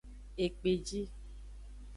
Ekpeji.